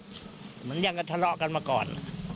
เหมือนยังก็ทะเลาะกันมาก่อน